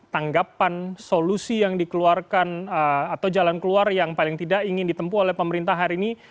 tanggapan solusi yang dikeluarkan atau jalan keluar yang paling tidak ingin ditempu oleh pemerintah hari ini